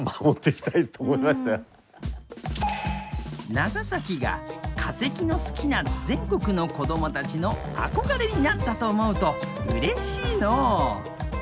長崎が化石の好きな全国の子供たちの憧れになったと思うとうれしいのう。